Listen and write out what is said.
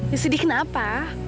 ya sedih kenapa